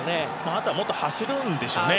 あとはもっと走るんでしょうね。